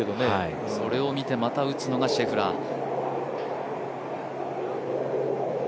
それを見てまた打つのがシェフラー。